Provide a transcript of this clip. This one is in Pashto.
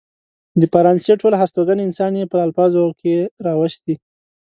د فرانسې ټول هستوګن انسان يې په الفاظو کې راوستي.